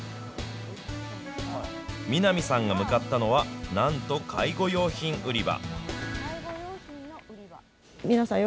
南さんが向かったのは、なんと介護用品売り場。